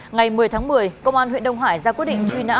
ngày một mươi tháng một mươi công an huyện đông hải ra quyết định truy nã